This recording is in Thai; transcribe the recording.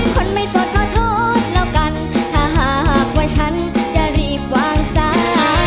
คนไม่สดขอโทษแล้วกันถ้าหากว่าฉันจะรีบวางสา